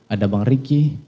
ada bang ricky